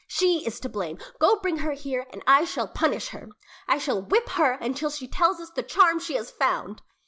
She is to blame! Go bring her here, and I shall punish her. I shall whip her until she tells us the charm she has found."